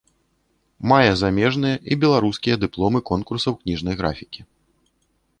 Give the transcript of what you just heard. Мае замежныя і беларускія дыпломы конкурсаў кніжнай графікі.